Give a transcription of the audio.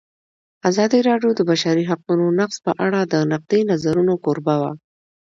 ازادي راډیو د د بشري حقونو نقض په اړه د نقدي نظرونو کوربه وه.